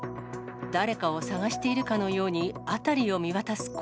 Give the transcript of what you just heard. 誰かを探しているかのように、辺りを見渡す